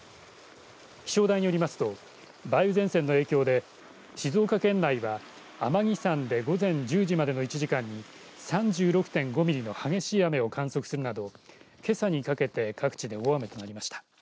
気象台によりますと梅雨前線の影響で静岡県内は、天城山で午前１０時までの１時間に３６．５ミリの激しい雨を観測するなどけさにかけて各地で大雨になりました。